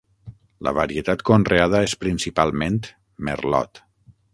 La varietat conreada és principalment merlot.